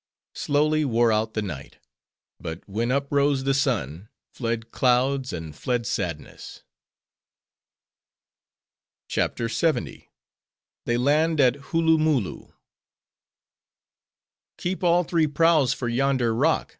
Slowly wore out the night. But when uprose the sun, fled clouds, and fled sadness. CHAPTER LXX. They Land At Hooloomooloo "Keep all three prows, for yonder rock."